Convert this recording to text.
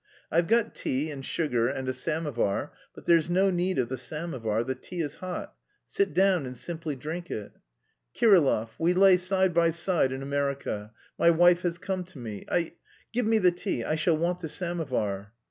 "I've got tea and sugar and a samovar. But there's no need of the samovar, the tea is hot. Sit down and simply drink it." "Kirillov, we lay side by side in America.... My wife has come to me ... I... give me the tea.... I shall want the samovar."